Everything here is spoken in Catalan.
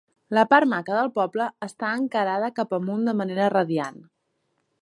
La part maca del poble està encarada cap amunt de manera radiant.